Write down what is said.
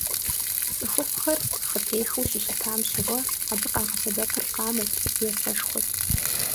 ЦӀыхухъухэр хъытехыу щыщытам щыгъуэ абы къагъэсэбэпыр къамэт е сэшхуэт.